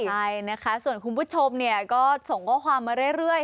ใช่นะคะส่วนคุณผู้ชมเนี่ยก็ส่งข้อความมาเรื่อย